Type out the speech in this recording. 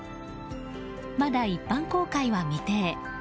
まだ一般公開は未定。